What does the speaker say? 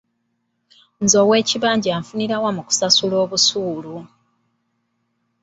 Nze ow’ekibanja nfunira wa mu kusasula obusuulu?